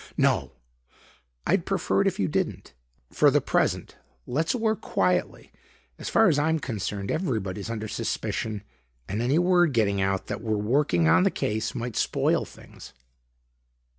"No, I'd prefer it if you didn't. For the present, let's work quietly. As far as I'm concerned, everybody's under suspicion and any word getting out that we're working on the case might spoil things."